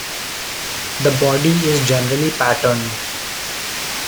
The body is generally patterned.